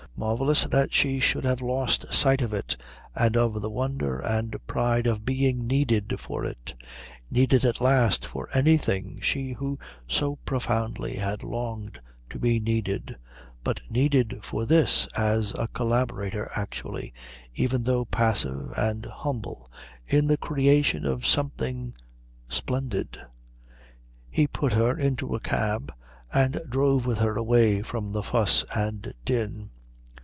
Marvellous that she should have lost sight of it and of the wonder and pride of being needed for it needed at last for anything, she who so profoundly had longed to be needed, but needed for this, as a collaborator actually, even though passive and humble, in the creation of something splendid. He put her into a cab and drove with her away from the fuss and din.